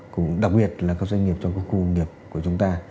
cũng đặc biệt là các doanh nghiệp trong các khu công nghiệp của chúng ta